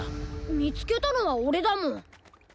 みつけたのはオレだもん。